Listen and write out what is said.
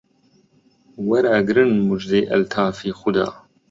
وەرئەگرن موژدەی ئەلتافی خودا